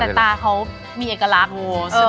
แต่ตาเขามีเอกลักษณ์